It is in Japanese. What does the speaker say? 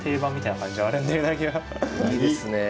いいですねえ。